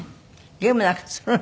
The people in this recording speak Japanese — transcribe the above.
ゲームなんかするの？